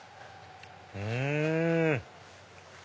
うん！